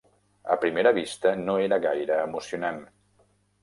A primera vista, no era gaire emocionant.